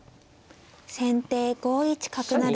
先手５一角成。